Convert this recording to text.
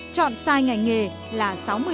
chọn sai ngành nghề là sáu mươi